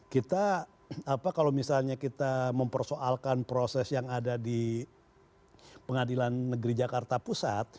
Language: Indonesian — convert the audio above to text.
kita kalau misalnya kita mempersoalkan proses yang ada di pengadilan negeri jakarta pusat